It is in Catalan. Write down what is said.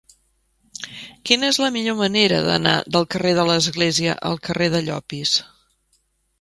Quina és la millor manera d'anar del carrer de l'Església al carrer de Llopis?